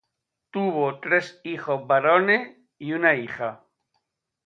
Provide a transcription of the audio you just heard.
Tuvo tres hijos varones y una hija.